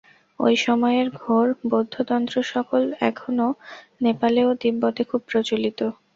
ঐ সময়ের ঘোর বৌদ্ধতন্ত্রসকল এখনও নেপালে ও তিব্বতে খুব প্রচলিত।